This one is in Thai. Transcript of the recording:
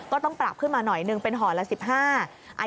ก็ต้องปรับขึ้นมาหน่อยหนึ่งเป็นห่อละ๑๕บาท